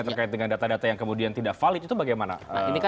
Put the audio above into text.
terkait dengan data data yang kemudian tidak valid itu bagaimana